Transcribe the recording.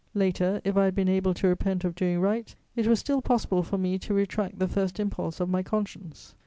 Later, if I had been able to repent of doing right, it was still possible for me to retract the first impulse of my conscience.